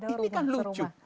ini kan lucu